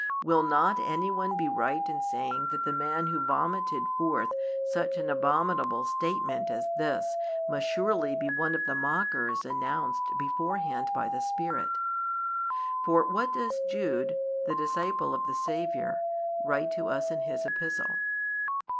Will not any one be right in saying that the man who vomited forth such an abominable statement as this must surely be one of the "mockers" announced beforehand by the Spirit? For what does Jude, the disciple of the Saviour, write to us in his epistle?